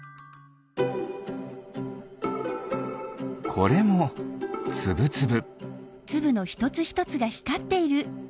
これもつぶつぶ。